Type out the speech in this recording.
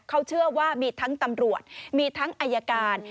เขาเชื่อว่ามีทั้งตำรวจมีทั้งอายการ